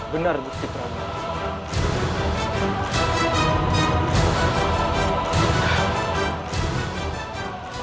benar gusti pramana